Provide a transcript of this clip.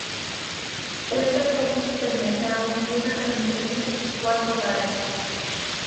Cuenta con un supermercado, una carnicería y cuatro bares.